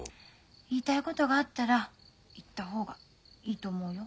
言いたいことがあったら言った方がいいと思うよ。